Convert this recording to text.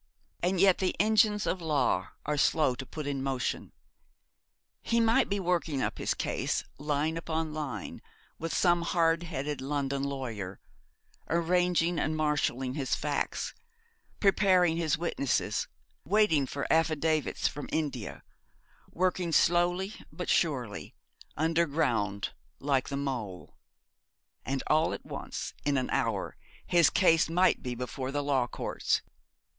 And yet the engines of the law are slow to put in motion. He might be working up his case, line upon line, with some hard headed London lawyer; arranging and marshalling his facts; preparing his witnesses; waiting for affidavits from India; working slowly but surely, underground like the mole; and all at once, in an hour, his case might be before the law courts.